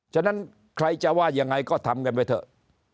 ฉะนั้นใครจะว่ายังไงก็ทำกันไปเถอะ